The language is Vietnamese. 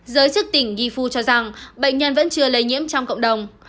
giới chức tỉnh gifu cho rằng bệnh nhân vẫn chưa lây nhiễm trong cộng đồng